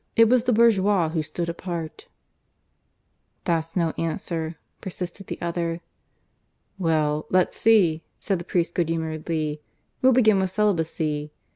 It was the bourgeois who stood apart." "That's no answer," persisted the other. "Well, let's see," said the priest good humouredly. "We'll begin with celibacy.